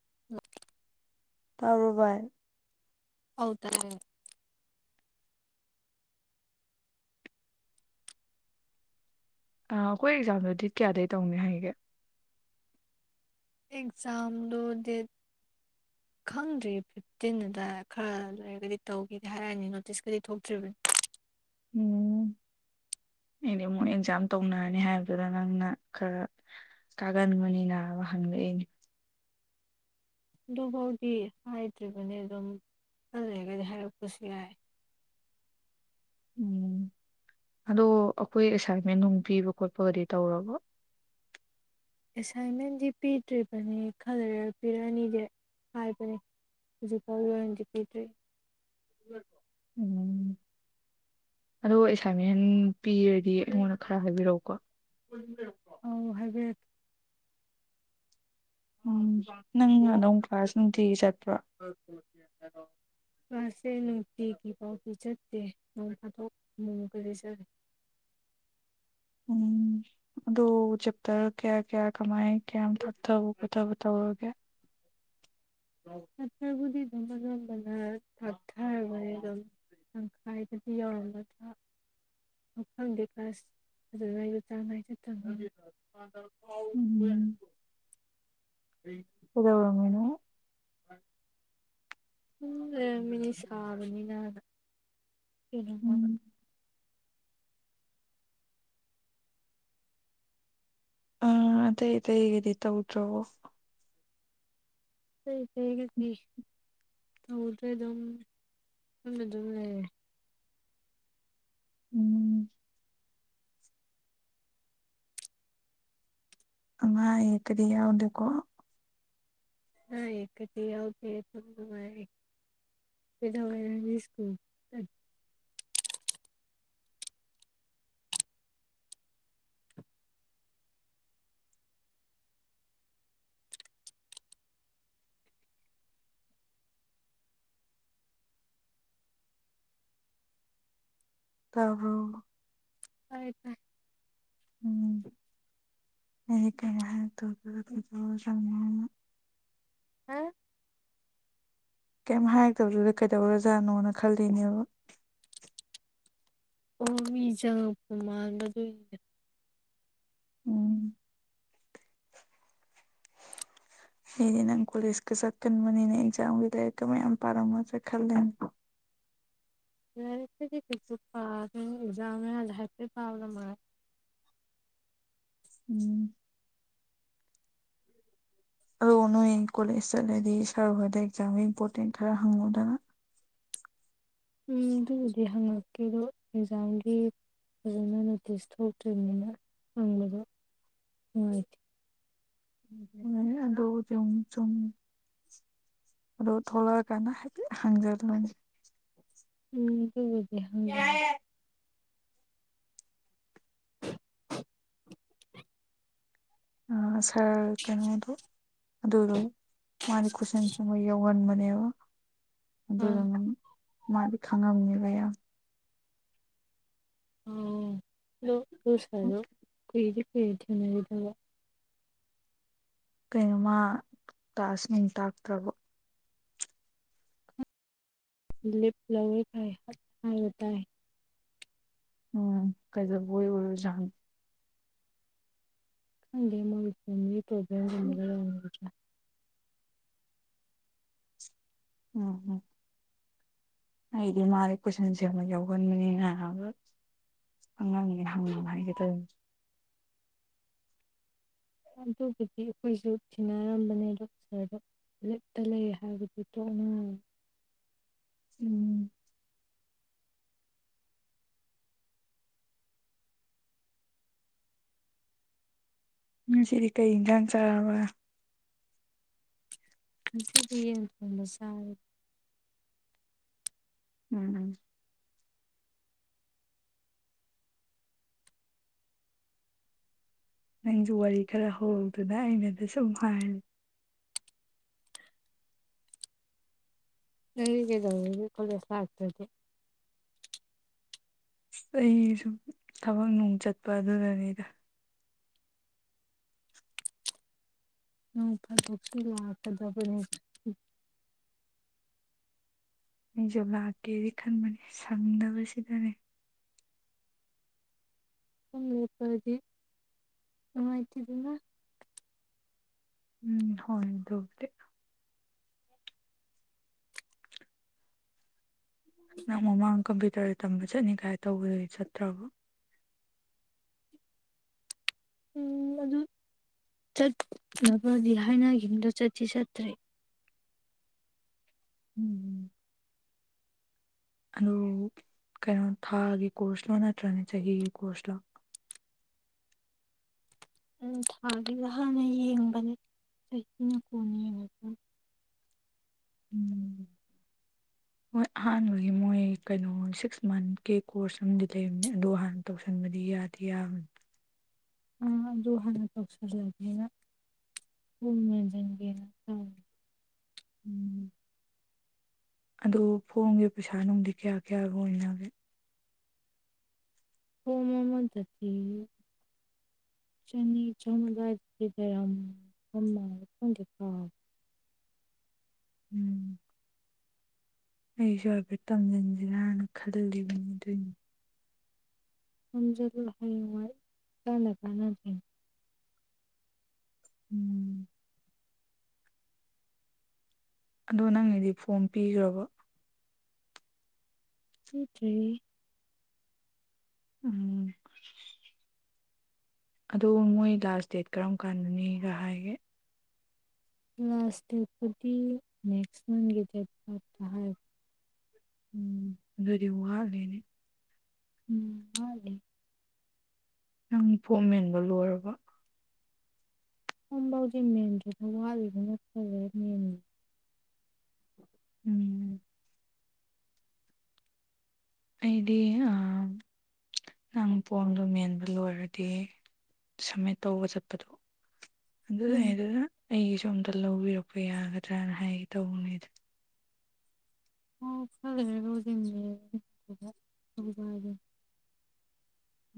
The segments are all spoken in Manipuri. [unintelligible] ꯇꯥꯕꯔꯣ ꯕꯥꯏ ꯑꯧ ꯇꯥꯏꯌꯦ ꯑ ꯑꯩꯈꯣꯏ ꯑꯦꯛꯖꯥꯝꯗꯨ ꯗꯦꯠ ꯀꯌꯥꯗꯩ ꯇꯧꯅꯤ ꯍꯥꯏꯒꯦ ꯑꯦꯛꯖꯥꯝꯗꯣ ꯗꯦꯠ [inaudible] ꯈꯪꯗ꯭ꯔꯤ ꯐꯤꯐꯇꯤꯟ ꯑꯗꯥꯏ ꯈꯔ ꯂꯩꯔꯒꯗꯤ ꯇꯧꯒꯦꯗꯤ ꯍꯥꯏꯔꯦꯛꯑꯅꯤ ꯅꯣꯇꯤꯁꯀꯗꯤ ꯊꯣꯛꯇ꯭ꯔꯤꯕꯅꯤ ꯎꯝ ꯑꯩꯗꯤ ꯑꯃꯨꯛ ꯑꯦꯛꯖꯥꯝ ꯇꯧꯅꯔꯅꯤ ꯍꯥꯏꯕꯗꯨꯗ ꯅꯪꯅ ꯈꯔ ꯀꯥꯒꯟꯕꯅꯤꯅ ꯋꯥ ꯍꯪꯂꯛꯏꯅꯤ ꯑꯗꯨꯐꯥꯎꯗꯤ ꯍꯥꯏꯗ꯭ꯔꯤꯕꯅꯦ ꯑꯗꯨꯝ ꯈꯂꯩꯔꯒꯗꯤ ꯍꯥꯏꯔꯛꯄꯁꯨ ꯌꯥꯏ ꯎꯝ ꯑꯗꯣ ꯑꯈꯣꯏ ꯑꯦꯁꯥꯏꯟꯃꯦꯟ ꯅꯨꯡ ꯄꯤꯕ ꯈꯣꯠꯄꯒꯗꯤ ꯇꯧꯔꯕꯣ ꯑꯦꯁꯥꯏꯟꯃꯦꯟꯗꯤ ꯄꯤꯗ꯭ꯔꯤꯕꯅꯦ ꯈꯂꯩꯔ ꯄꯤꯔꯛꯑꯅꯤꯗꯤ ꯍꯥꯏꯕꯅꯦ ꯍꯧꯖꯤꯛꯐꯥꯎꯒꯤ ꯑꯣꯏꯅꯗꯤ ꯄꯤꯗ꯭ꯔꯤ ꯎꯝ ꯑꯗꯣ ꯑꯦꯁꯥꯏꯟꯃꯦꯟ ꯄꯤꯔꯗꯤ ꯑꯩꯉꯣꯟꯗ ꯈꯔ ꯍꯥꯏꯕꯤꯔꯛꯎꯀꯣ ꯑꯧ ꯍꯥꯏꯕꯤꯔꯛ ꯎꯝ ꯅꯪ ꯑꯗꯣꯝ ꯀ꯭ꯂꯥꯁ ꯅꯨꯡꯇꯤꯒꯤ ꯆꯠꯄ꯭ꯔꯣ [unintelligible] ꯀ꯭ꯂꯥꯁ ꯁꯦ ꯅꯨꯡꯇꯤꯒꯤ ꯄꯥꯎꯇꯤ ꯆꯠꯇꯦ ꯅꯣꯡ ꯐꯥꯗꯣꯛ ꯑꯃꯨꯃꯨꯛ ꯀꯗꯤ ꯆꯠꯂꯦ ꯎꯝ ꯑꯗꯣ ꯆꯦꯞꯇꯔ ꯀꯌꯥ ꯀꯌꯥ ꯀꯃꯥꯏꯟ ꯀꯌꯥꯝ ꯇꯥꯛꯊꯕ ꯈꯣꯠꯊꯕ ꯇꯧꯔꯒꯦ ꯆꯦꯞꯇꯔꯕꯨꯗꯤ ꯑꯗꯨꯝ ꯑꯅꯝꯕꯅ ꯇꯥꯛꯊꯔꯕꯅꯦ ꯑꯗꯨꯝ ꯇꯪꯈꯥꯏꯗꯗꯤ ꯌꯧꯔꯝꯒꯗ꯭ꯔꯥ ꯃꯐꯪꯗꯤ ꯀ꯭ꯂꯥꯁ ꯑꯗꯨꯗ ꯑꯩꯖꯨ ꯆꯥꯡ ꯉꯥꯏ ꯆꯠꯇꯕ ꯎꯝ [unintelligible] ꯀꯩꯗꯧꯔꯝꯃꯤꯅꯣ ꯎꯝ ꯂꯩꯔꯝꯃꯤꯅꯤ ꯁꯥꯕꯅꯤꯅ ꯑꯅ ꯎꯝ ꯀꯦꯅꯣꯝꯃꯒ ꯑ ꯑꯇꯩ ꯑꯇꯩꯒꯗꯤ ꯇꯧꯗ꯭ꯔꯕꯣ ꯑꯇꯩ ꯑꯇꯩꯒꯗꯤ ꯇꯧꯗ꯭ꯔꯦ ꯑꯗꯨꯝ ꯌꯨꯝꯗ ꯑꯗꯨꯝ ꯂꯩꯔꯦ ꯎꯝ ꯑꯪꯉꯥ ꯑꯌꯦꯛꯀꯗꯤ ꯌꯥꯎꯗꯦꯀꯣ ꯑꯅꯥ ꯑꯌꯦꯛꯀꯗꯤ ꯌꯥꯎꯗꯦ ꯑꯗꯨꯝ ꯅꯨꯡꯉꯥꯏꯔꯤ ꯀꯩꯗꯧꯔꯦ ꯅꯪꯗꯤ ꯁ꯭ꯀꯨꯜ ꯇꯥꯕ꯭ꯔꯣ ꯇꯥꯏꯌꯦ ꯇꯥꯏ ꯎꯝ [unintelligible] ꯍꯥ ꯀꯩꯝ ꯍꯥꯏꯔꯛꯇꯕꯗꯨꯗ ꯀꯩꯗꯧꯔꯖꯥꯅꯣꯅ ꯈꯜꯂꯤꯅꯦꯕ ꯑꯣ ꯃꯤ ꯆꯪꯉꯛꯄ ꯃꯥꯟꯕ ꯑꯗꯨꯏꯅꯦ ꯎꯝ ꯑꯩꯗꯤ ꯅꯪ ꯀꯣꯂꯦꯖꯀ ꯆꯠꯀꯟꯕꯅꯤꯅ ꯑꯦꯛꯖꯥꯝꯒꯤ ꯂꯥꯔꯛꯀ ꯃꯌꯥꯝ ꯄꯥꯔꯝꯃ ꯆꯠꯈꯜꯂꯤꯅꯦ ꯂꯥꯏꯔꯤꯛꯀꯤꯗꯤ ꯀꯩꯁꯨ ꯄꯥꯗꯦ ꯑꯦꯛꯖꯥꯝ ꯃꯌꯥꯗ ꯍꯥꯏꯐꯦꯠ ꯄꯥꯕꯗꯣ ꯃꯉꯥꯏ ꯎꯝ ꯑꯗꯣ ꯅꯣꯏ ꯀꯣꯂꯦꯖ ꯆꯠꯂꯗꯤ ꯁꯔ ꯍꯣꯏꯗ ꯑꯦꯛꯖꯥꯝꯒꯤ ꯏꯝꯄꯣꯔꯇꯦꯟ ꯈꯔ ꯍꯪꯉꯨꯗꯅ ꯎꯝ ꯑꯗꯨꯕꯨꯗꯤ ꯍꯪꯉꯛꯀꯦ ꯑꯗꯣ ꯑꯦꯛꯖꯥꯝꯒꯤ ꯐꯖꯅ ꯅꯣꯇꯤꯁ ꯊꯣꯛꯇ꯭ꯔꯤꯕꯅꯤꯅ ꯍꯪꯕꯗꯣ ꯅꯨꯡꯉꯥꯏꯇꯦ [unintelligible] ꯑꯗꯨꯕꯨꯗꯤ ꯑꯃꯨꯛ ꯆꯨꯝ ꯑꯗꯣ ꯊꯣꯛꯂꯛꯑꯀꯥꯟꯗ ꯍꯥꯏꯐꯦꯠ ꯍꯪꯖꯜꯂꯣꯟ ꯎꯝ ꯗꯨꯕꯨꯗꯤ ꯍꯪꯖꯟ ꯑ ꯁꯥꯔ ꯀꯩꯅꯣꯗꯣ ꯑꯗꯨꯗꯣ ꯃꯥꯗꯤ ꯀꯣꯏꯁꯟ ꯁꯦꯝꯕ ꯌꯧꯒꯟꯕꯅꯦꯕ ꯑꯥ ꯑꯗꯨꯅ ꯃꯥꯗꯤ ꯈꯪꯉꯝꯅꯤꯕ ꯃꯌꯥꯝ ꯑꯣ ꯑꯗꯨ ꯅꯣꯏ ꯁꯥꯏꯗꯣ ꯀꯨꯏꯗꯤ ꯀꯨꯏꯔꯦ ꯊꯦꯡꯅꯒꯤꯗꯕ ꯀꯩꯅꯣ ꯃꯥ ꯀ꯭ꯂꯥꯁ ꯅꯨꯡ ꯇꯥꯛꯇ꯭ꯔꯕꯣ ꯂꯤꯄ ꯂꯧꯋꯦ ꯐꯩ ꯇꯥꯏꯅ ꯇꯥꯏ ꯎꯝ ꯀꯩꯗꯧꯕꯩ ꯑꯣꯏꯔꯖꯥꯅꯣ ꯈꯪꯗꯦ ꯃꯣꯏ ꯐꯦꯃꯤꯂꯤ ꯄ꯭ꯔꯣꯕ꯭ꯂꯦꯝꯒꯨꯝꯕꯒ ꯂꯩꯔꯝꯒꯗ꯭ꯔ ꯎꯝ ꯎꯝ ꯑꯩꯗꯤ ꯃꯥꯖꯦ ꯀꯣꯏꯁꯟ ꯁꯦꯝꯕ ꯌꯧꯒꯟꯕꯅꯤꯅ ꯍꯥꯏ ꯑꯉꯥꯡꯅꯦ ꯍꯪꯉꯣ ꯍꯥꯏꯒꯦ ꯇꯧꯅꯦ ꯑꯗꯨꯕꯨꯗꯤ ꯑꯩꯈꯣꯏꯁꯨ ꯊꯤꯅꯔꯝꯕꯅꯦ ꯗꯣꯛꯇꯔꯗ ꯂꯤꯞꯇ ꯂꯩ ꯍꯥꯏꯕꯗꯨ ꯇꯣꯅ ꯎꯝ ꯉꯁꯤꯗꯤ ꯀꯩ ꯏꯟꯖꯥꯡ ꯆꯥꯔꯕ ꯉꯁꯤꯗꯤ ꯌꯦꯟ ꯊꯣꯡꯕ ꯆꯥꯔꯦ ꯎꯝ ꯎꯝ ꯅꯪꯁꯨ ꯋꯥꯔꯤ ꯈꯔ ꯍꯧꯔꯛꯎꯗꯅ ꯑꯩꯅꯗ ꯁꯨꯝ ꯍꯥꯏꯔ ꯅꯪꯗꯤ ꯀꯩꯗꯧꯒꯔꯦ ꯀꯣꯂꯦꯁ ꯂꯥꯛꯇꯔꯗꯤ ꯑꯩ ꯁꯨꯝ ꯊꯕꯛ ꯅꯨꯡ ꯆꯠꯄ ꯑꯗꯨꯅꯅꯤꯗ ꯅꯣꯡ ꯐꯗꯣꯛꯁꯨ ꯂꯥꯛꯀꯗꯕꯅꯤ ꯑꯩꯁꯨ ꯂꯥꯛꯀꯦꯗꯤ ꯈꯟꯕꯅꯦ ꯁꯪꯗꯕꯁꯤꯗꯅꯦ ꯁꯨꯝ ꯂꯦꯞꯄꯛꯑꯗꯤ ꯅꯨꯡꯉꯥꯏꯇꯦꯗꯅ ꯎꯝ ꯍꯣꯏ ꯑꯗꯨꯕꯨꯗꯤ ꯃꯃꯥꯡ ꯀꯝꯄ꯭ꯌꯨꯇꯔ ꯇꯝꯕ ꯆꯠꯅꯤ ꯀꯥꯏ ꯇꯧꯕꯗꯨꯗꯤ ꯆꯠꯇ꯭ꯔꯕꯣ ꯎꯝ ꯑꯗꯨ ꯆꯠꯅꯕꯗꯤ ꯍꯥꯏꯅꯈꯤꯕꯗꯣ ꯆꯠꯇꯤ ꯆꯠꯇ꯭ꯔꯦ ꯎꯝ ꯑꯗꯨ ꯀꯩꯅꯣ ꯊꯥꯒꯤ ꯀꯣꯔꯁꯂꯣ ꯅꯠꯇ꯭ꯔꯅ ꯆꯍꯤꯒꯤ ꯀꯣꯔꯁꯂꯣ ꯎꯝ ꯊꯥꯒꯤ ꯍꯥꯟꯅ ꯌꯦꯡꯕꯅꯦ ꯆꯍꯤꯅ ꯀꯣꯟꯅ ꯌꯦꯡꯉꯄ ꯎꯝ ꯍꯣꯏ ꯑꯍꯥꯟꯕꯒꯤ ꯃꯣꯏ ꯀꯩꯅꯣ ꯁꯤꯛꯁ ꯃꯟꯠꯀꯤ ꯀꯣꯔꯁ ꯑꯃꯗꯤ ꯂꯩꯕꯅꯦ ꯑꯗꯨ ꯍꯥꯟꯅ ꯇꯧꯁꯟꯕꯗꯤ ꯌꯥꯏ ꯌꯕꯅꯦ ꯑ ꯑꯗꯨ ꯍꯥꯟꯅ ꯇꯧꯁꯤꯜꯂꯒꯦꯅ ꯐꯣꯝ ꯃꯦꯟꯖꯤꯟꯒꯦꯅ ꯇꯧꯔꯤ [inaudible] ꯑꯗꯨ ꯐꯣꯝꯒꯤ ꯄꯩꯁꯥ ꯅꯨꯡꯗꯤ ꯀꯌꯥ ꯀꯌꯥ ꯑꯣꯏꯅꯒꯦ ꯐꯣꯝ ꯑꯃꯗꯗꯤ ꯆꯅꯤ ꯆꯍꯨꯝ ꯑꯗꯥꯏꯗꯗꯤ ꯂꯩꯔꯃꯗꯧ ꯃꯥꯜꯂꯦ ꯈꯪꯗꯦ ꯀꯥꯎꯔꯦ [inaudible] ꯑꯩꯁꯨ ꯍꯥꯏꯐꯦꯠ ꯇꯝꯁꯤꯟꯁꯤꯔꯥꯅ ꯈꯜꯂꯤꯕꯅꯤ ꯑꯗꯨꯏꯅꯦ ꯇꯝꯖꯤꯜꯂꯣ ꯍꯥꯌꯦꯡꯋꯥꯏ ꯀꯅꯥ ꯀꯅ ꯒꯅꯤ ꯎꯝ ꯑꯗꯣ ꯅꯪꯒꯤꯗꯤ ꯐꯣꯝ ꯄꯤꯈ꯭ꯔꯕꯣ ꯄꯤꯗ꯭ꯔꯤ ꯎꯝ ꯑꯗꯨ ꯃꯣꯏ ꯂꯥꯁꯠ ꯗꯦꯠ ꯀꯔꯝ ꯀꯥꯟꯗꯅꯤꯒ ꯍꯥꯏꯒꯦ ꯂꯥꯁꯠ ꯗꯦꯠꯄꯨꯗꯤ ꯅꯦꯛꯁ ꯃꯟꯠꯒꯤ ꯗꯦꯠ ꯐꯥꯏꯞꯇ ꯍꯥꯏ ꯎꯝ ꯑꯗꯨꯗꯤ ꯋꯥꯠꯂꯤꯅꯦ ꯎꯝ ꯋꯥꯠꯂꯤ ꯅꯪ ꯐꯣꯝ ꯃꯦꯟꯕ ꯂꯣꯏꯔꯕ ꯐꯣꯝ ꯐꯥꯎꯗꯤ ꯃꯦꯟꯗ꯭ꯔꯦꯗ ꯋꯥꯠꯂꯤꯅꯤꯅ ꯈꯔꯥ ꯂꯩꯔꯥ ꯃꯦꯟꯒꯦ ꯎꯝ ꯑꯩꯗꯤ ꯑꯥ ꯅꯪ ꯐꯣꯝꯗꯣ ꯃꯦꯟꯕ ꯂꯣꯏꯔꯗꯤ ꯁꯝꯃꯤꯠ ꯇꯧꯕ ꯆꯠꯄꯗꯨ ꯎꯝ ꯑꯗꯨꯗꯩꯗꯨꯗ ꯑꯩꯒꯤꯁꯨ ꯑꯝꯇ ꯂꯧꯕꯤꯔꯛꯄ ꯌꯥꯒꯗ꯭ꯔꯅ ꯍꯥꯏꯒꯦ ꯇꯧꯕꯅꯦꯗ ꯑꯣ ꯈꯔꯥ ꯂꯩꯔꯥꯒꯕꯨꯗꯤ ꯃꯦꯟꯅꯤ [unintelligible]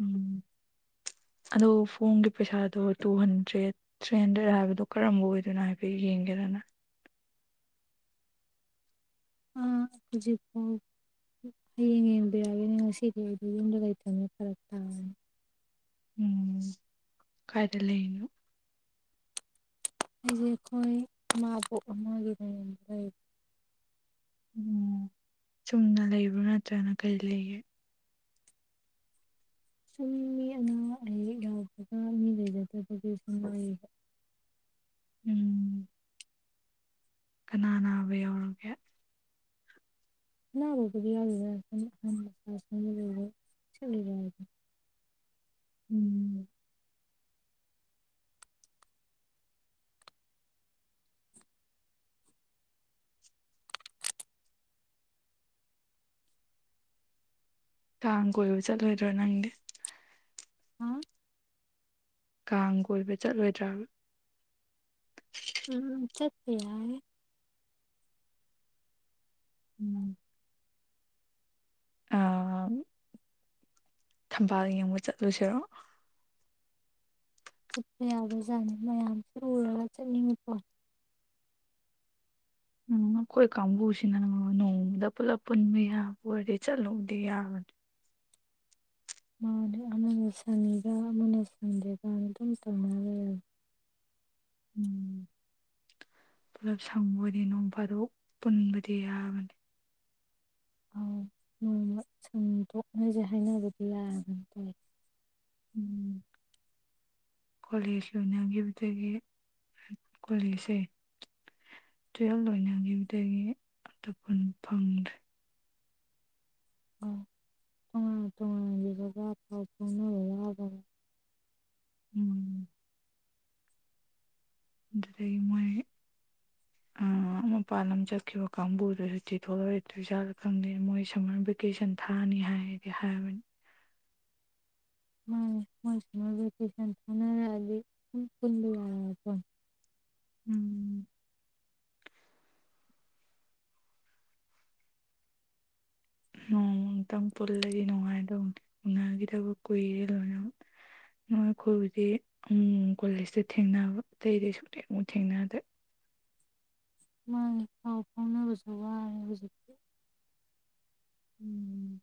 ꯎꯝ ꯑꯗꯣ ꯐꯣꯝꯒꯤ ꯄꯩꯁꯥꯗꯣ ꯇꯨ ꯍꯟꯗ꯭ꯔꯦꯠ ꯊ꯭ꯔꯤ ꯍꯟꯗ꯭ꯔꯦꯠꯔꯥ ꯍꯥꯏꯕꯗꯣ ꯀꯔꯝꯕ ꯑꯣꯏꯗꯣꯏꯅꯣ ꯍꯥꯏꯐꯦꯠ ꯌꯦꯡꯒꯦꯔꯥ ꯅꯪ ꯑ ꯍꯧꯖꯤꯛꯄꯣ ꯍꯌꯦꯡ ꯌꯦꯡꯕꯤꯔꯛꯑꯒꯦꯅꯦ ꯉꯁꯤꯗꯤ ꯑꯩꯗꯤ ꯌꯨꯝꯗ ꯂꯩꯇꯕꯅꯦ ꯐꯔꯛ ꯇꯥꯔꯅꯤ ꯎꯝ ꯀꯥꯏꯗ ꯂꯩꯔꯤꯅꯣ ꯑꯩꯁꯦ ꯑꯩꯈꯣꯏ ꯃꯥꯕꯣꯛ ꯑꯃꯒꯤꯗ ꯂꯩ ꯑꯣ ꯆꯨꯝꯅ ꯂꯩꯕ꯭ꯔꯣ ꯅꯠꯇ꯭ꯔꯅ ꯀꯔꯤ ꯂꯩꯒꯦ ꯁꯨꯝ ꯃꯤ ꯑꯅꯥ ꯑꯌꯦꯛ ꯌꯥꯎꯕꯒ ꯃꯤ ꯂꯩꯖꯗꯕꯒꯤ ꯁꯨꯝ ꯂꯩꯔꯤꯕ ꯎꯝ ꯀꯅꯥ ꯅꯥꯕ ꯌꯥꯎꯔꯒꯦ ꯑꯅꯥꯕꯕꯨꯗꯤ ꯌꯥꯎꯗꯦꯗ [unintelligible] ꯎꯝ ꯀꯥꯡ ꯀꯣꯏꯕ ꯆꯠꯂꯣꯏꯗ꯭ꯔꯣ ꯅꯪꯗꯤ ꯍꯥ ꯀꯥꯡ ꯀꯣꯏꯕ ꯆꯠꯂꯣꯏꯗ꯭ꯔꯥꯕ ꯎꯝ ꯎꯝ ꯆꯠꯄ ꯌꯥꯏ ꯎꯝ ꯑꯥ ꯊꯝꯕꯥꯜ ꯌꯦꯡꯕ ꯆꯠꯂꯨꯁꯤꯔꯣ ꯆꯠꯄ ꯌꯥꯕꯖꯥꯠꯅꯤ ꯃꯌꯥꯝꯁ ꯎꯔꯒ ꯆꯠꯅꯤꯡꯉꯤꯀꯣ ꯎꯝ ꯑꯩꯈꯣꯏ ꯀꯥꯡꯕꯨꯁꯤꯅ ꯅꯣꯡꯃꯗ ꯄꯨꯜꯂꯞ ꯄꯨꯟꯕ ꯌꯥꯕ ꯑꯣꯏꯔꯗꯤ ꯆꯠꯂꯨꯗꯤ ꯌꯥꯕꯅꯤ ꯃꯥꯅꯤ ꯑꯃꯅ ꯁꯟꯅꯤꯒ ꯑꯃꯅ ꯁꯟꯗꯦꯒꯅ ꯑꯗꯨꯝ ꯇꯧꯅꯔ ꯂꯩꯔꯕꯅꯤ ꯎꯝ ꯄꯨꯂꯞ ꯁꯪꯕ ꯑꯣꯏꯗꯤ ꯅꯣꯡ ꯐꯥꯗꯣꯛ ꯄꯨꯟꯕꯗꯤ ꯌꯥꯕꯅꯤ ꯑꯥꯎ ꯅꯣꯡꯃ ꯁꯟꯗꯣꯛꯅꯁꯦ ꯍꯥꯏꯅꯕꯗꯤ ꯌꯥꯔꯕꯅꯤ ꯇꯧꯏꯁꯦ ꯎꯝ ꯀꯣꯂꯦꯖ ꯂꯣꯏꯅꯈꯤꯕꯈꯤꯕꯗꯒꯤ ꯀꯣꯂꯦꯖꯁꯦ ꯇꯨꯌꯦꯜꯕ ꯂꯣꯏꯅꯈꯤꯕꯗꯒꯤ ꯑꯝꯇ ꯄꯨꯟ ꯐꯪꯗ꯭ꯔꯦ ꯑꯣ ꯇꯣꯉꯥꯟ ꯇꯣꯉꯥꯟꯒꯤꯕꯒ ꯄꯥꯎ ꯐꯥꯎꯅꯕ ꯋꯥꯒ꯭ꯔꯥꯝꯅꯤ ꯎꯝ ꯑꯗꯨꯗꯒꯤ ꯃꯣꯏ ꯑꯥ ꯃꯄꯥꯟ ꯂꯝ ꯆꯠꯈꯤꯕ ꯀꯥꯡꯕꯨꯗ ꯁꯨꯇꯤ ꯊꯣꯛꯂꯛ ꯑꯣꯏꯗ꯭ꯔꯤ ꯖꯥꯠꯂꯥ ꯈꯪꯗꯦ ꯃꯣꯏ ꯁꯝꯃꯔ ꯚꯦꯀꯦꯁꯟ ꯊꯥꯅꯤ ꯍꯥꯏ ꯍꯥꯏꯕꯅꯤ ꯃꯥꯅꯤ ꯃꯣꯏꯃ ꯚꯦꯀꯦꯁꯟ ꯊꯥꯅꯔꯛꯑꯗꯤ ꯁꯨꯝ ꯄꯨꯟꯕ ꯌꯥꯔ ꯎꯝ ꯅꯣꯡꯇꯪ ꯄꯨꯜꯂꯗꯤ ꯅꯨꯡꯉꯥꯏꯗꯧꯅꯤ ꯎꯒꯤꯗꯕ ꯀꯨꯏꯔꯦ ꯂꯣꯏꯅꯃꯛ ꯅꯣꯏ ꯑꯩꯈꯣꯏꯕꯨꯗꯤ ꯀꯣꯂꯦꯖꯇ ꯊꯦꯡꯅꯕ ꯑꯇꯩ ꯑꯗꯤ ꯁꯨꯛ ꯊꯦꯡꯕꯨ ꯊꯦꯡꯅꯗ꯭ꯔꯦ ꯃꯥꯅꯤ ꯄꯥꯎ ꯐꯥꯎꯅꯕꯁꯨ ꯋꯥꯔꯦ ꯍꯧꯖꯤꯛꯇꯤ ꯎꯝ